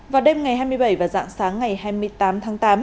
vào đêm ngày hai mươi bảy và dạng sáng ngày hai mươi tám tháng tám